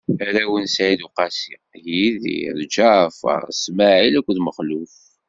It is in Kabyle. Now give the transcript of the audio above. Arraw n Said Uqasi: Yidir, Ǧaɛfaṛ, Smaɛil akked Mexluf.